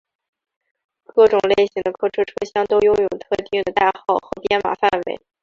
各种类型的客车车厢都拥有特定的代号和编码范围。